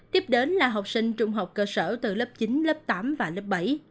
tiếp đến là học sinh trung học cơ sở từ lớp chín lớp tám và lớp bảy